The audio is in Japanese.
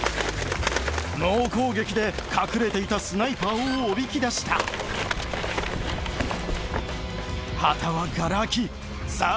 猛攻撃で隠れていたスナイパーをおびき出した旗はがら空きさぁ